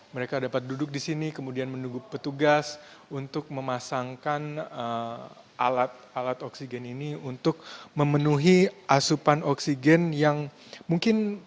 mereka dapat duduk di sini kemudian menunggu petugas untuk memasangkan alat alat oksigen ini untuk memenuhi asupan oksigen yang mungkin